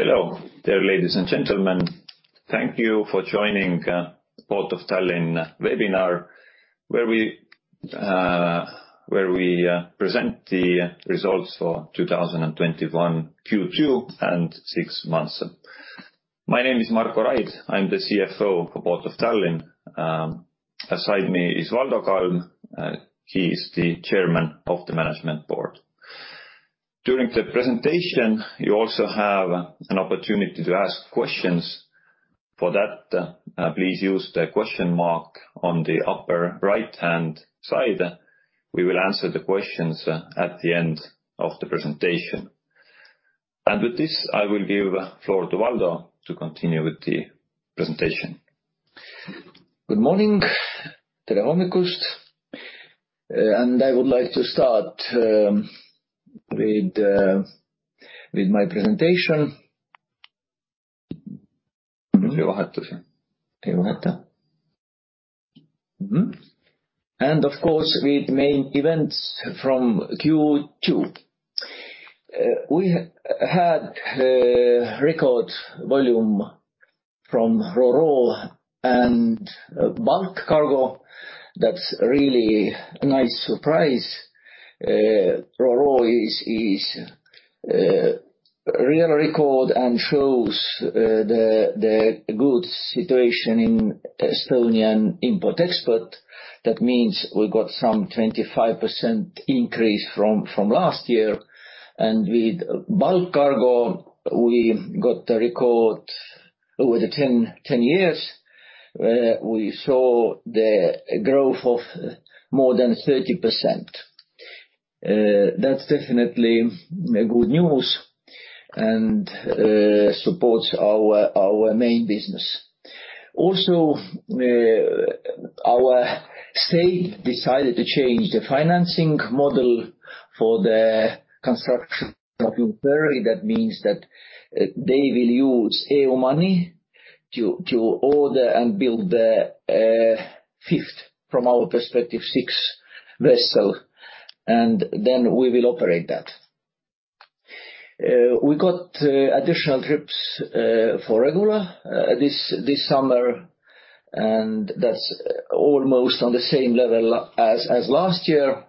Hello there, ladies and gentlemen. Thank you for joining Port of Tallinn webinar, where we present the results for 2021 Q2 and six months. My name is Marko Raid. I'm the CFO for Port of Tallinn. Aside me is Valdo Kalm. He is the Chairman of the Management Board. During the presentation, you also have an opportunity to ask questions. For that, please use the question mark on the upper right-hand side. We will answer the questions at the end of the presentation. With this, I will give floor to Valdo to continue with the presentation. Good morning. I would like to start with my presentation. Of course, with main events from Q2. We had a record volume from RoRo and bulk cargo. That's really a nice surprise. RoRo is real record and shows the good situation in Estonian import, export. That means we got some 25% increase from last year. With bulk cargo, we got the record over the 10 years, where we saw the growth of more than 30%. That's definitely good news and supports our main business. Also, our state decided to change the financing model for the construction of new ferry. That means that they will use E.U. money to order and build the fifth, from our perspective, sixth vessel, and then we will operate that. We got additional trips for regular this summer, and that's almost on the same level as last year,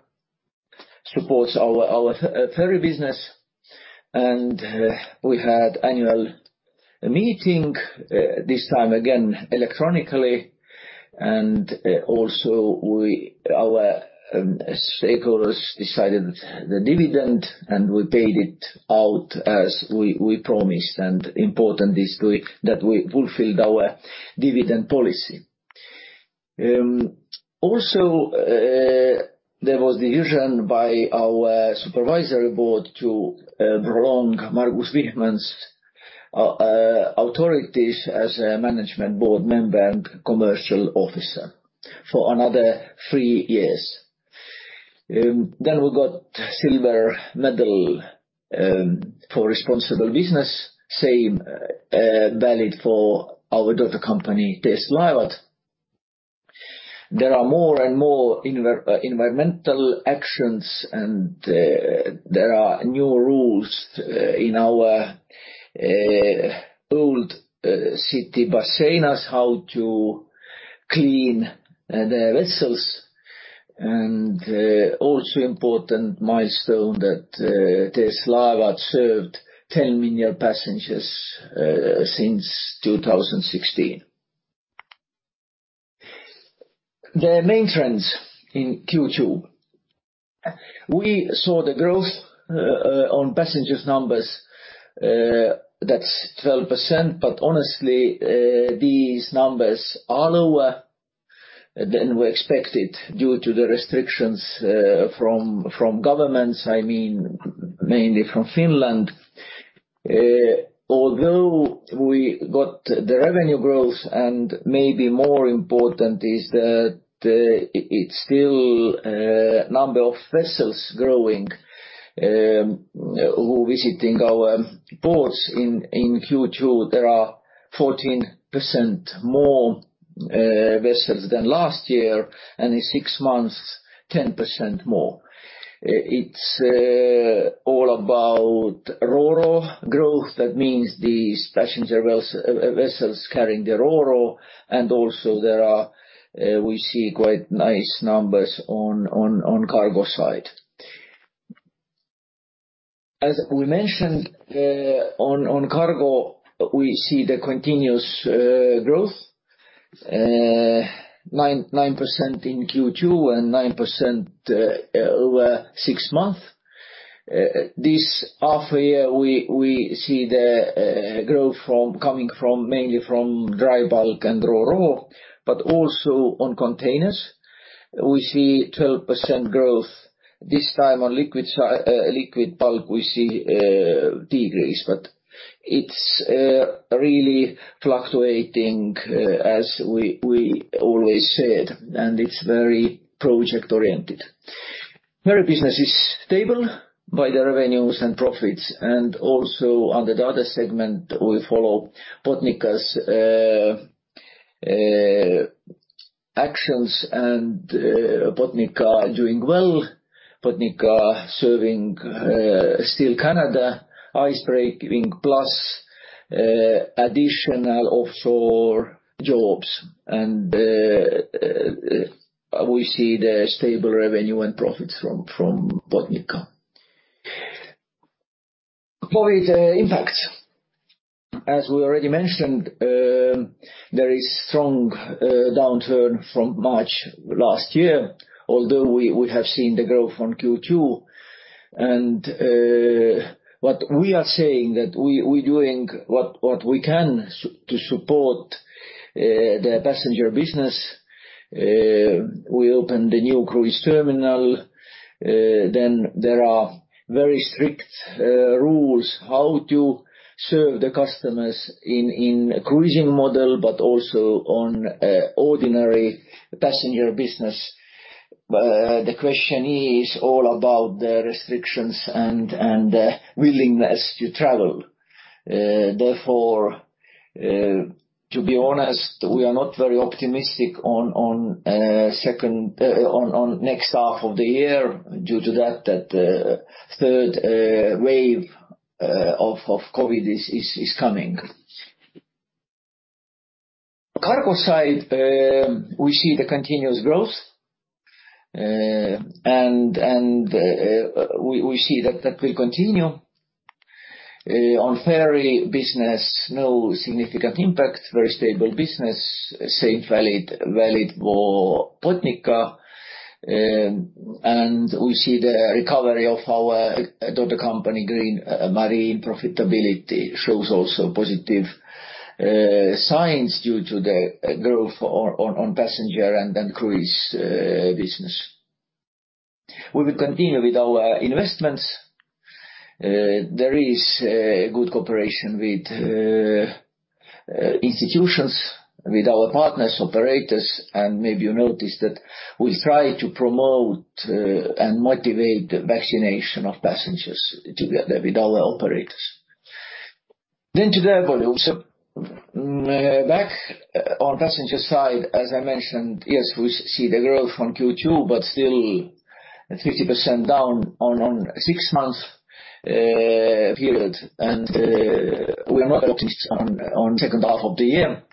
supports our ferry business. We had annual meeting, this time again, electronically. Also our stakeholders decided the dividend, and we paid it out as we promised. Important is that we fulfilled our dividend policy. There was the decision by our supervisory board to prolong Margus Vihman's authorities as a Management Board member and Chief Commercial Officer for another three years. We got silver medal for Responsible Business. Same valid for our daughter company, TS Laevad. There are more and more environmental actions, and there are new rules in our Old City basins how to clean the vessels. Important milestone that TS Laevad served 10 million passengers since 2016. The main trends in Q2. We saw the growth on passenger numbers. That's 12%, but honestly, these numbers are lower than we expected due to the restrictions from governments. I mean, mainly from Finland. We got the revenue growth and maybe more important is that it's still number of vessels growing who visiting our ports in Q2. There are 14% more vessels than last year, and in six months, 10% more. It's all about RoRo growth. That means these passenger vessels carrying the RoRo, and also we see quite nice numbers on cargo side. As we mentioned, on cargo, we see the continuous growth, 9% in Q2 and 9% over six months. This half year, we see the growth coming mainly from dry bulk and RoRo, but also on containers. We see 12% growth this time on liquid bulk, we see decrease, but it's really fluctuating as we always said, and it's very project-oriented. Ferry business is stable by the revenues and profits. Also under the other segment, we follow Botnica's actions and Botnica are doing well. Botnica are serving still in Canada, ice breaking, plus additional offshore jobs. We see the stable revenue and profits from Botnica. COVID impact. As we already mentioned, there is strong downturn from March last year, although we have seen the growth on Q2. What we are saying that we're doing what we can to support the passenger business. We opened a new cruise terminal. There are very strict rules how to serve the customers in cruising model, but also on ordinary passenger business. The question is all about the restrictions and the willingness to travel. Therefore, to be honest, we are not very optimistic on next half of the year due to that third wave of COVID is coming. Cargo side, we see the continuous growth, and we see that will continue. On ferry business, no significant impact, very stable business. Same valid for Botnica. We see the recovery of our daughter company, Green Marine. Profitability shows also positive signs due to the growth on passenger and cruise business. We will continue with our investments. There is a good cooperation with institutions, with our partners, operators, and maybe you noticed that we try to promote and motivate vaccination of passengers together with our operators. To the volumes. Back on passenger side, as I mentioned, yes, we see the growth on Q2, but still 50% down on six-month period. We are not optimistic on second half of the year.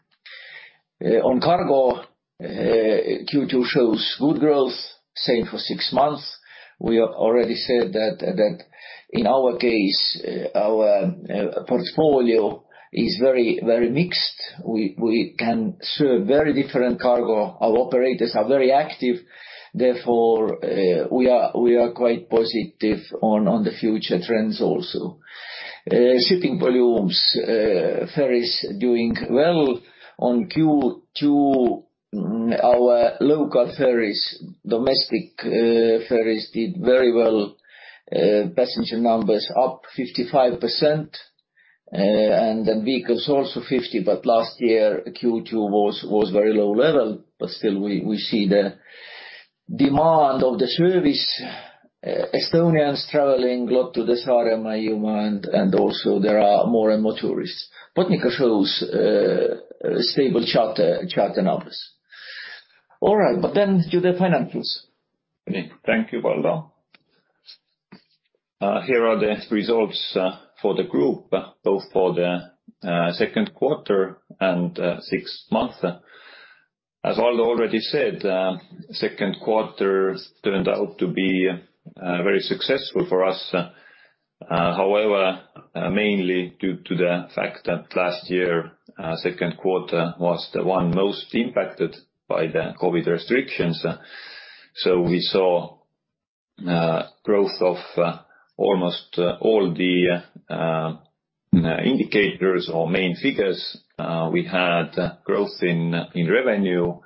On cargo, Q2 shows good growth, same for six months. We already said that in our case, our portfolio is very mixed. We can serve very different cargo. Our operators are very active, therefore we are quite positive on the future trends also. Shipping volumes, ferries doing well on Q2. Our local ferries, domestic ferries did very well. Passenger numbers up 55%, and then vehicles also 50%, but last year Q2 was very low level, but still we see the demand of the service. Estonians traveling a lot to the Saaremaa and also there are more and more tourists. Botnica shows stable charter numbers. All right, then to the financials. Thank you, Valdo. Here are the results for the group, both for the second quarter and sixth month. As Valdo already said, second quarter turned out to be very successful for us. However, mainly due to the fact that last year, second quarter was the one most impacted by the COVID restrictions. We saw growth of almost all the indicators or main figures. We had growth in revenue,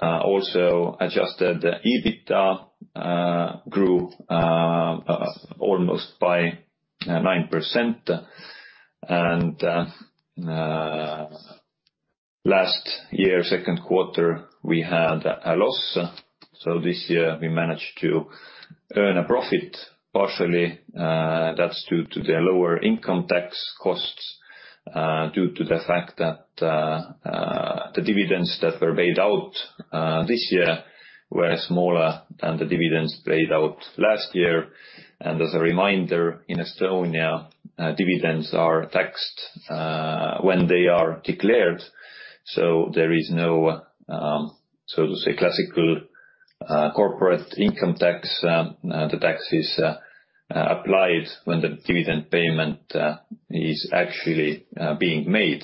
also adjusted EBITDA grew almost by 9%. Last year, second quarter, we had a loss. This year we managed to earn a profit partially that's due to the lower income tax costs, due to the fact that the dividends that were paid out this year were smaller than the dividends paid out last year. As a reminder, in Estonia, dividends are taxed when they are declared. There is no, so to say, classical corporate income tax. The tax is applied when the dividend payment is actually being made,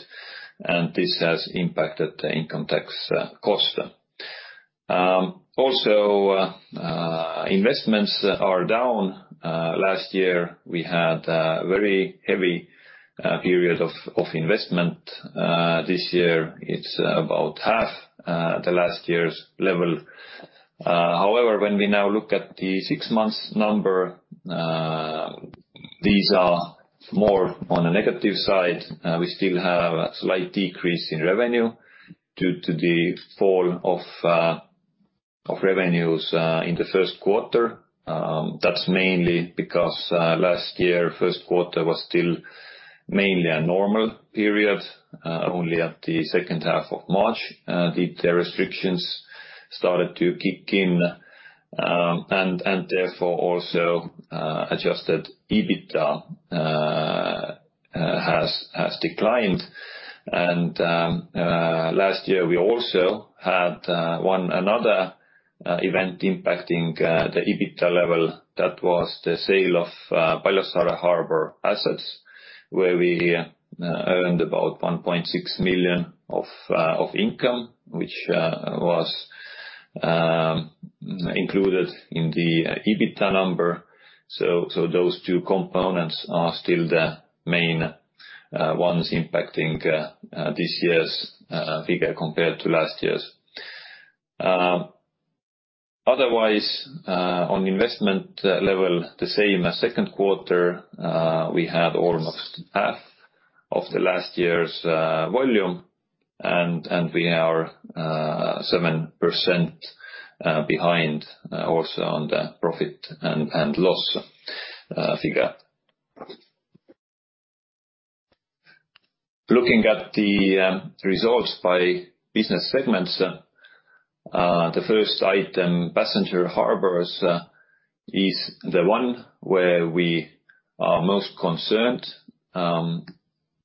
and this has impacted the income tax cost. Also, investments are down. Last year we had a very heavy period of investment. This year it's about half the last year's level. However, when we now look at the six months number, these are more on the negative side. We still have a slight decrease in revenue due to the fall of revenues in the first quarter. That's mainly because last year, first quarter was still mainly a normal period. Only at the second half of March did the restrictions started to kick in, and therefore also adjusted EBITDA has declined. Last year we also had one another event impacting the EBITDA level. That was the sale of Paljassaare Harbor assets, where we earned about 1.6 million of income, which was included in the EBITDA number. Those two components are still the main ones impacting this year's figure compared to last year's. Otherwise, on investment level, the same as second quarter, we had almost half of the last year's volume, and we are 7% behind also on the profit and loss figure. Looking at the results by business segments, the first item, Passenger Harbours, is the one where we are most concerned.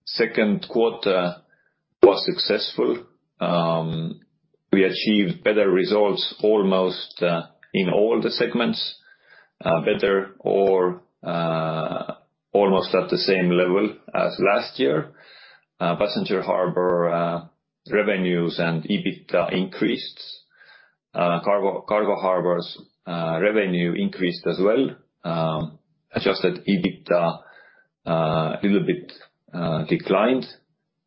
Second quarter was successful. We achieved better results almost in all the segments, better or almost at the same level as last year. Passenger Harbour revenues and EBITDA increased. Cargo Harbours revenue increased as well. Adjusted EBITDA a little bit declined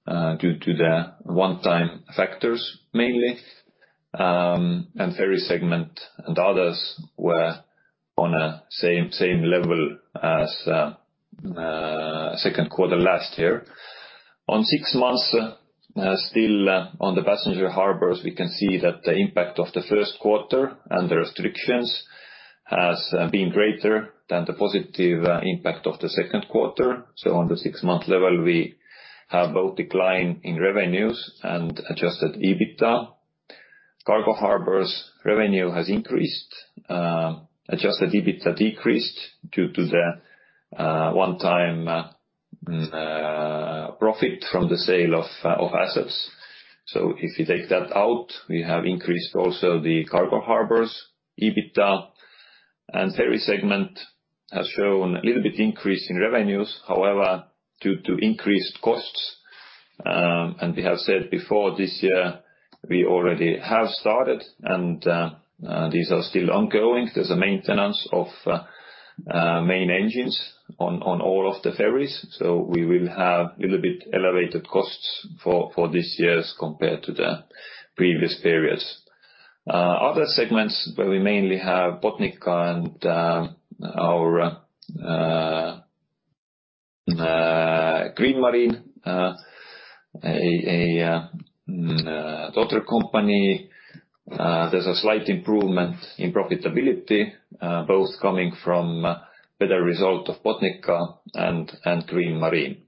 due to the one-time factors, mainly. Ferry segment and others were on the same level as Q2 last year. On six months, still on the Passenger Harbours, we can see that the impact of the first quarter and the restrictions has been greater than the positive impact of the second quarter. On the six-month level, we have both decline in revenues and adjusted EBITDA. Cargo Harbours revenue has increased, adjusted EBITDA decreased due to the one-time profit from the sale of assets. If you take that out, we have increased also the Cargo Harbours EBITDA and Ferry segment has shown a little bit increase in revenues. However, due to increased costs, and we have said before this year, we already have started and these are still ongoing. There's a maintenance of main engines on all of the ferries. We will have a little bit elevated costs for this year compared to the previous periods. Other segments where we mainly have Botnica and our Green Marine, a daughter company, there's a slight improvement in profitability both coming from better result of Botnica and Green Marine.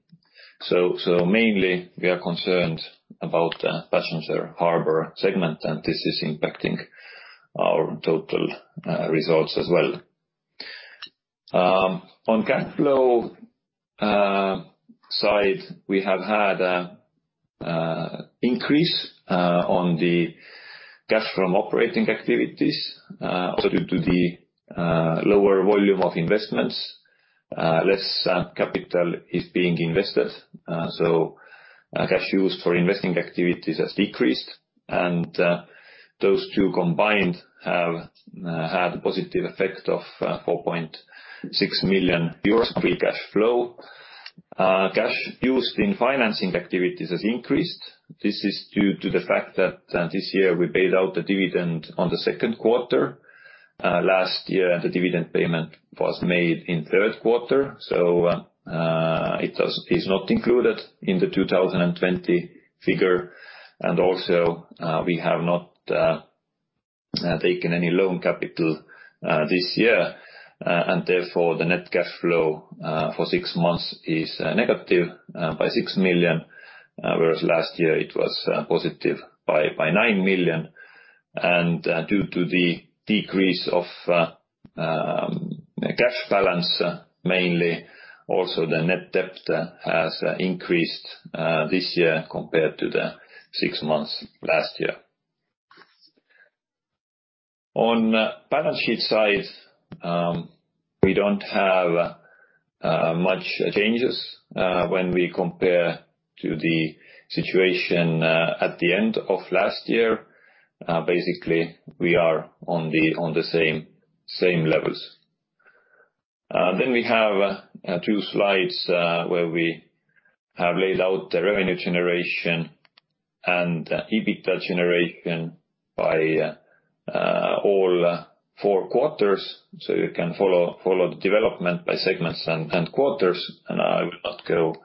Mainly we are concerned about the Passenger Harbour segment, and this is impacting our total results as well. On cash flow side, we have had increase on the cash from operating activities, also due to the lower volume of investments. Less capital is being invested, so cash used for investing activities has decreased, and those two combined have had a positive effect of 4.6 million euros free cash flow. Cash used in financing activities has increased. This is due to the fact that this year we paid out the dividend on the second quarter. Last year, the dividend payment was made in third quarter, so it is not included in the 2020 figure. Also we have not taken any loan capital this year, therefore the net cash flow for six months is negative by 6 million, whereas last year it was positive by 9 million. Due to the decrease of cash balance, mainly, also the net debt has increased this year compared to the six months last year. On balance sheet side, we don't have much changes when we compare to the situation at the end of last year. Basically, we are on the same levels. We have two slides where we have laid out the revenue generation and EBITDA generation by all four quarters. You can follow the development by segments and quarters, and I will not go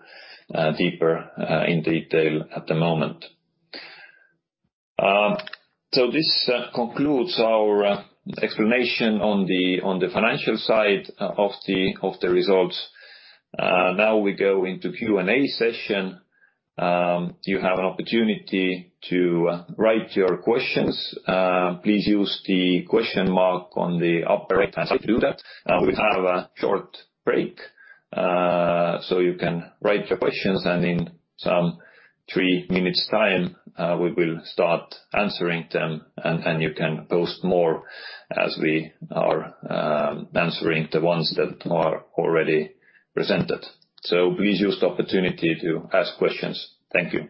deeper in detail at the moment. This concludes our explanation on the financial side of the results. Now we go into Q&A session. You have an opportunity to write your questions. Please use the question mark on the upper right-hand side to do that. We have a short break. You can write your questions and in some three minutes time, we will start answering them and you can post more as we are answering the ones that are already presented. Please use the opportunity to ask questions. Thank you.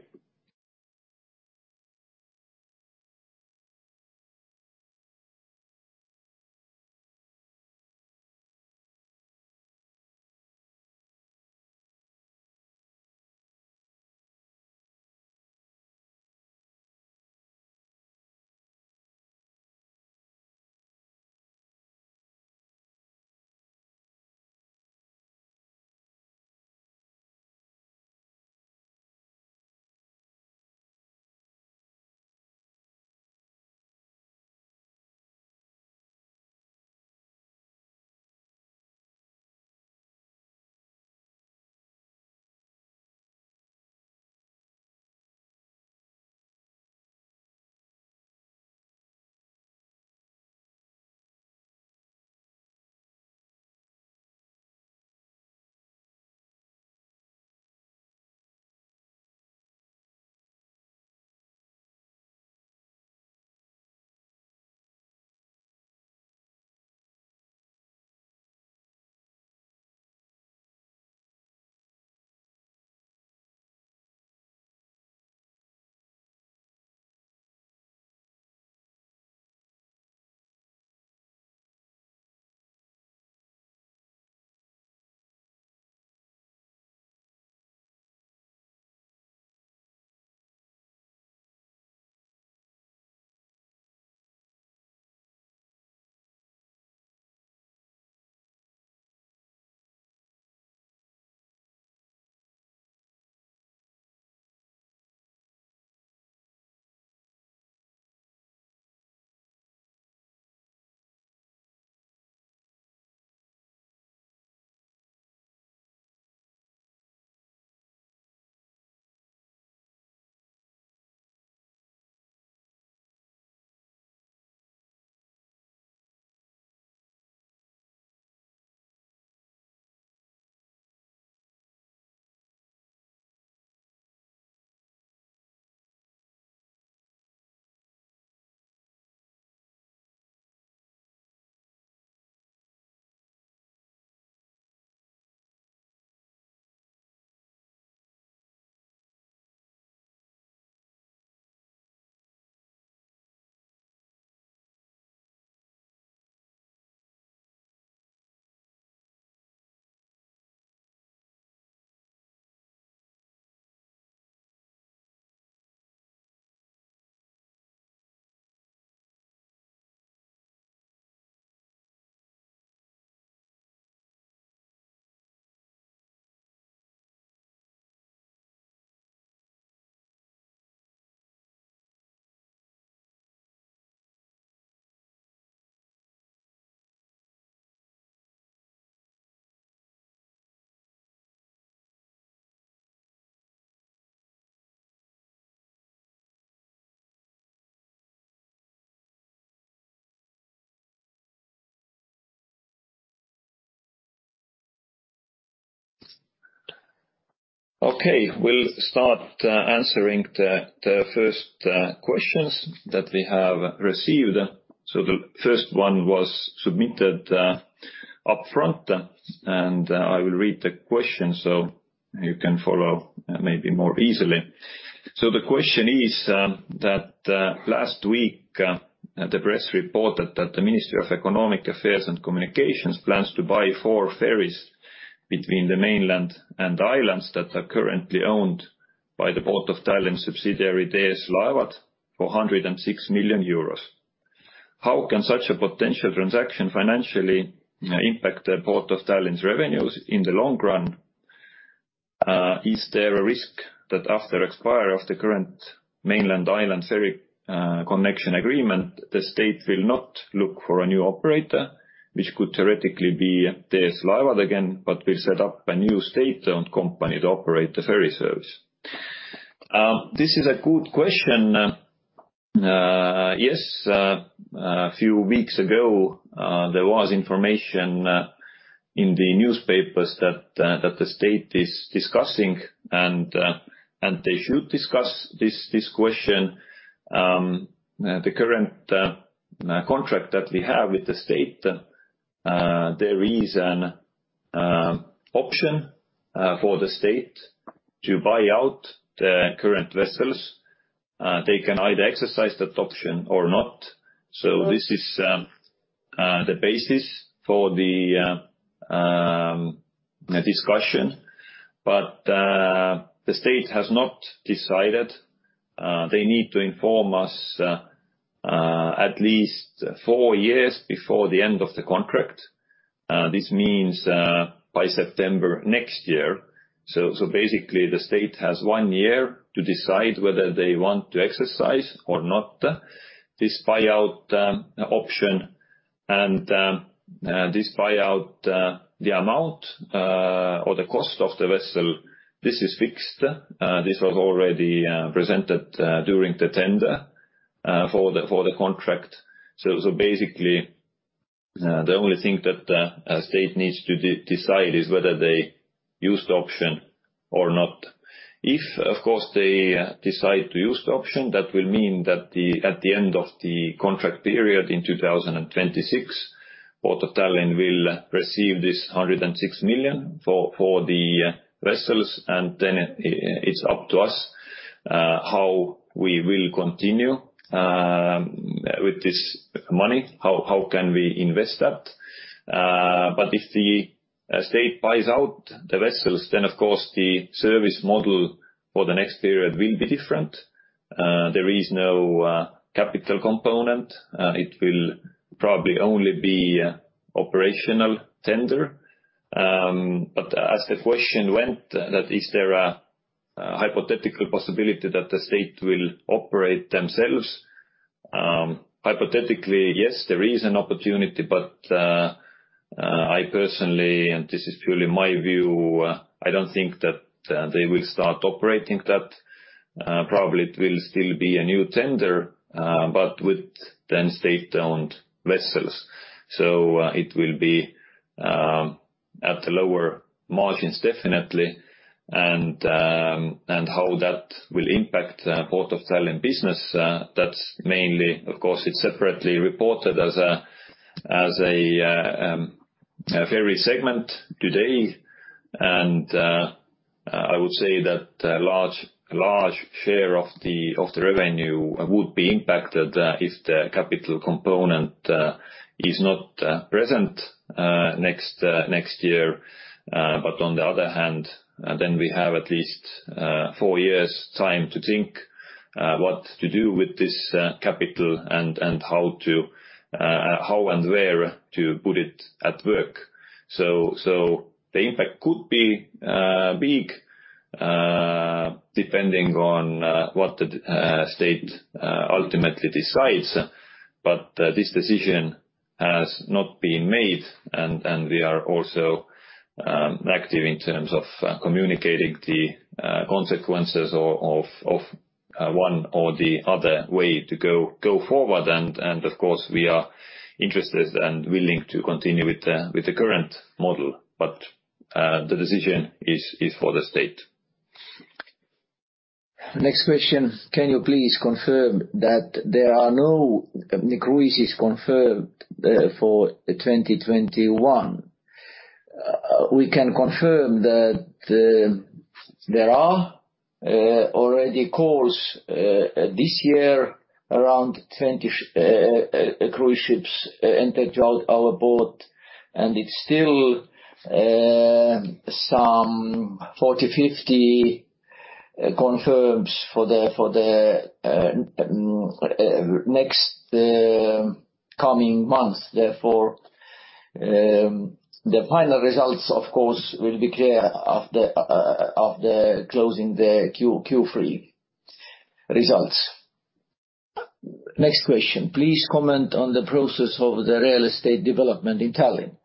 We'll start answering the first questions that we have received. The first one was submitted upfront, and I will read the question so you can follow maybe more easily. The question is that, last week, the press reported that the Ministry of Economic Affairs and Communications plans to buy four ferries between the mainland and the islands that are currently owned by the Port of Tallinn subsidiary, TS Laevad, for 106 million euros. How can such a potential transaction financially impact the Port of Tallinn's revenues in the long run? Is there a risk that after expiry of the current mainland island ferry connection agreement, the State will not look for a new operator, which could theoretically be TS Laevad again, but will set up a new State-owned company to operate the ferry service? This is a good question. A few weeks ago, there was information in the newspapers that the State is discussing and they should discuss this question. The current contract that we have with the State, there is an option for the State to buy out the current vessels. They can either exercise that option or not. This is the basis for the discussion. The State has not decided. They need to inform us at least four years before the end of the contract. This means by September next year. The State has one year to decide whether they want to exercise or not this buyout option. This buyout, the amount or the cost of the vessel, this is fixed. This was already presented during the tender for the contract. The only thing that a State needs to decide is whether they use the option or not. If, of course, they decide to use the option, that will mean that at the end of the contract period in 2026, Port of Tallinn will receive this 106 million for the vessels, and then it's up to us how we will continue with this money, how can we invest that. If the State buys out the vessels, then of course the service model for the next period will be different. There is no capital component. It will probably only be operational tender. As the question went, that is there a hypothetical possibility that the State will operate themselves? Hypothetically, yes, there is an opportunity, but I personally, and this is purely my view, I don't think that they will start operating that. Probably it will still be a new tender, but with then State-owned vessels. It will be at lower margins, definitely. How that will impact Port of Tallinn business, that's mainly, of course, it's separately reported as a ferry segment today. I would say that a large share of the revenue would be impacted if the capital component is not present next year. On the other hand, then we have at least four years' time to think what to do with this capital and how and where to put it at work. The impact could be big, depending on what the State ultimately decides. This decision has not been made, and we are also active in terms of communicating the consequences of one or the other way to go forward. Of course, we are interested and willing to continue with the current model, but the decision is for the State. Next question. Can you please confirm that there are no new cruises confirmed for 2021? We can confirm that there are already calls this year, around 20 cruise ships entered our port, and it's still some 40, 50 confirms for the next coming months. The final results, of course, will be clear after closing the Q3 results. Next question. Please comment on the process of the real estate development in Tallinn.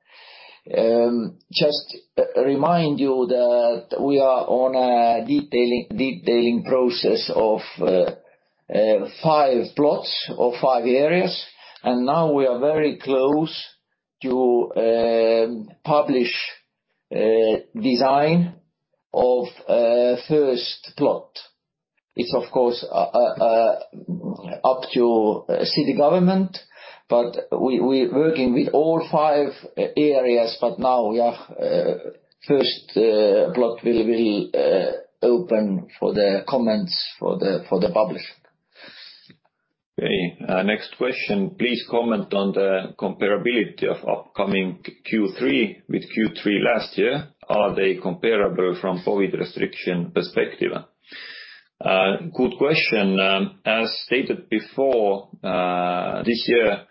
Just remind you that we are on a detailing process of five plots or five areas, and now we are very close to publish design of first plot. It's, of course, up to City Government, but we're working with all five areas. Now, yeah, first plot will open for the comments for the publish. Okay. Next question. Please comment on the comparability of upcoming Q3 with Q3 last year. Are they comparable from COVID restriction perspective? Good question. As stated before, this year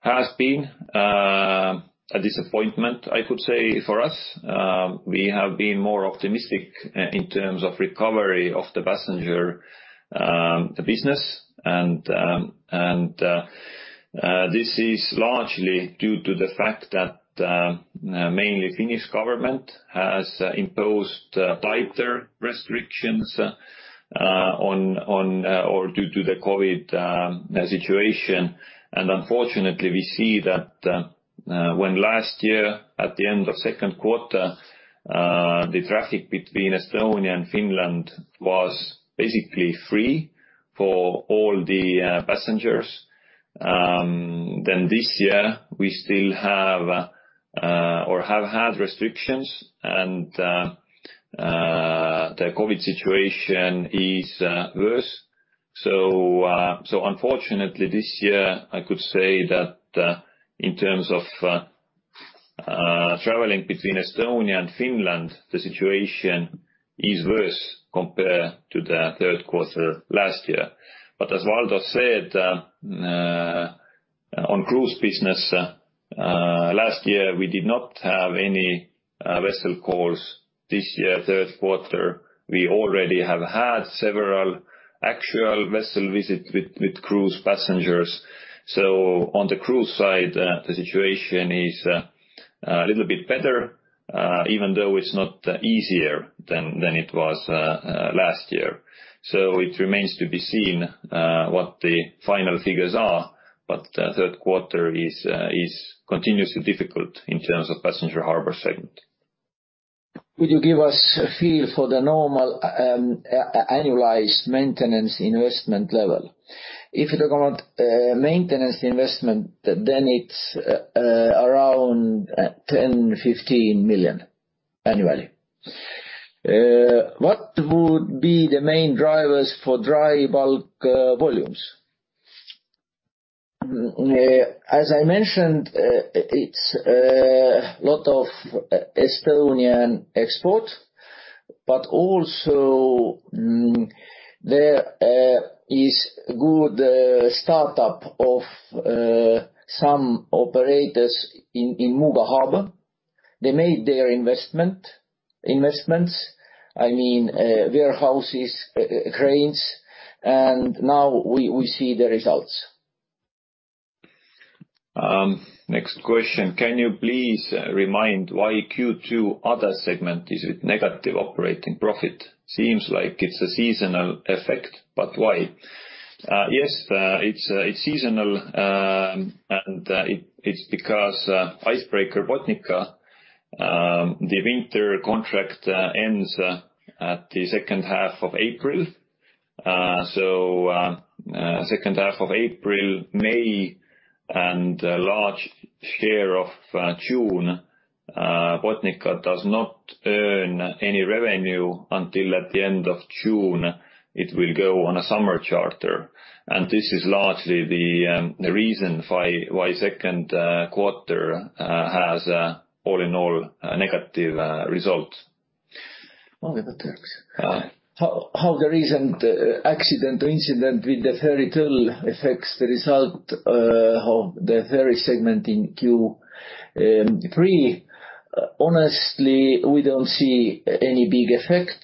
has been a disappointment, I could say, for us. We have been more optimistic in terms of recovery of the passenger business. This is largely due to the fact that mainly Finnish Government has imposed tighter restrictions due to the COVID situation. Unfortunately, we see that when last year, at the end of the second quarter, the traffic between Estonia and Finland was basically free for all the passengers, then this year we still have or have had restrictions, and the COVID situation is worse. Unfortunately, this year, I could say that in terms of traveling between Estonia and Finland, the situation is worse compared to the third quarter last year. As Valdo said, on cruise business, last year we did not have any vessel calls. This year, third quarter, we already have had several actual vessel visit with cruise passengers. On the cruise side, the situation is a little bit better, even though it's not easier than it was last year. It remains to be seen what the final figures are, but the third quarter is continuously difficult in terms of Passenger Harbour segment. Would you give us a feel for the normal annualized maintenance investment level? If you talk about maintenance investment, it's around 10 million-15 million annually. What would be the main drivers for dry bulk volumes? As I mentioned, it's a lot of Estonian export, there is good startup of some operators in Muuga Harbour. They made their investments, I mean, warehouses, cranes, and now we see the results. Next question. Can you please remind why Q2 other segment is with negative operating profit? Seems like it's a seasonal effect, but why? Yes, it's seasonal, and it's because icebreaker Botnica, the winter contract ends at the second half of April. Second half of April, May, and large share of June, Botnica does not earn any revenue until at the end of June, it will go on a summer charter. This is largely the reason why second quarter has all in all a negative result. How the recent accident or incident with the ferry Tõll affects the result of the ferry segment in Q3? Honestly, we don't see any big effect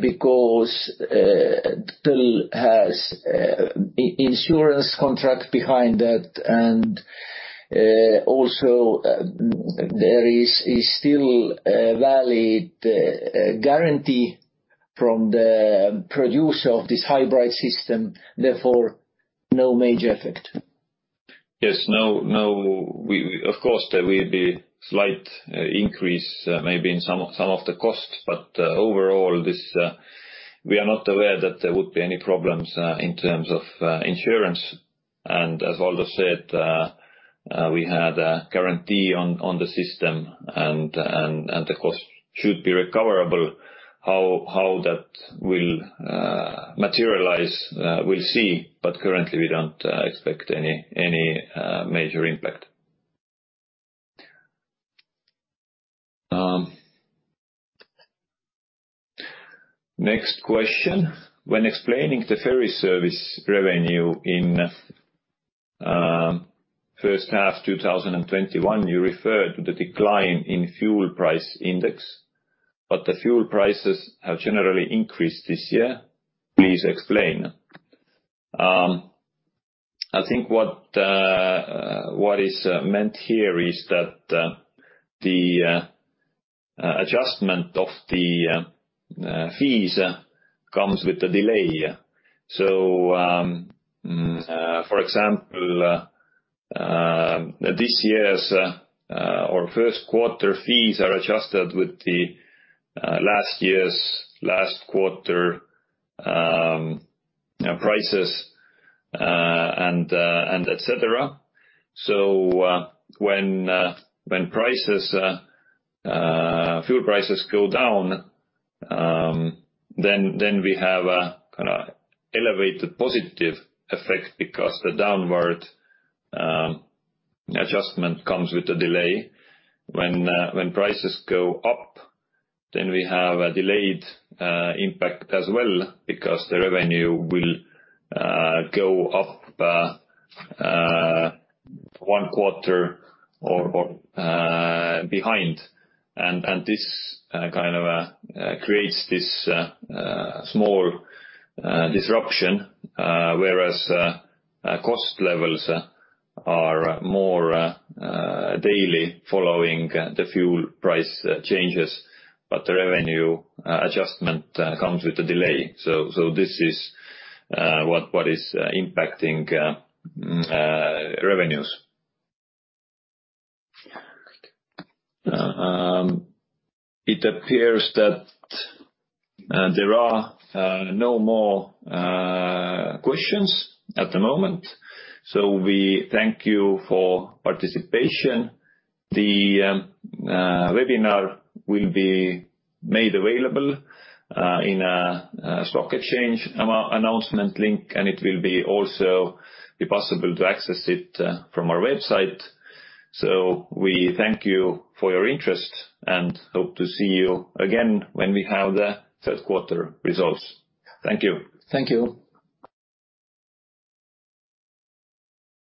because Tõll has insurance contract behind that, and also there is still a valid guarantee from the producer of this hybrid system, therefore no major effect. Yes. Of course, there will be slight increase maybe in some of the costs, but overall, we are not aware that there would be any problems in terms of insurance. As Valdo said, we had a guarantee on the system, and the cost should be recoverable. How that will materialize, we will see, but currently we don't expect any major impact. Next question. When explaining the ferry service revenue in first half 2021, you referred to the decline in fuel price index, but the fuel prices have generally increased this year. Please explain. I think what is meant here is that the adjustment of the fees comes with a delay. For example, this year's or first quarter fees are adjusted with the last year's, last quarter prices and et cetera. When fuel prices go down, then we have a kind of elevated positive effect because the downward adjustment comes with a delay. When prices go up, then we have a delayed impact as well because the revenue will go up one quarter or behind. This kind of creates this small disruption, whereas cost levels are more daily following the fuel price changes, but the revenue adjustment comes with a delay. This is what is impacting revenues. It appears that there are no more questions at the moment, so we thank you for participation. The webinar will be made available in a stock exchange announcement link, and it will also be possible to access it from our website. We thank you for your interest and hope to see you again when we have the third quarter results. Thank you. Thank you.